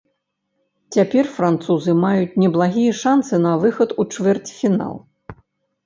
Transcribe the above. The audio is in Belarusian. Цяпер французы маюць неблагія шансы на выхад у чвэрцьфінал.